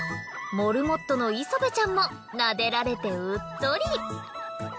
モルモットのいそべちゃんも撫でられてうっとり。